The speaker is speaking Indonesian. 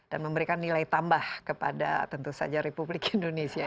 dan memberikan nilai tambah kepada tentu saja republik indonesia